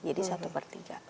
jadi satu per tiga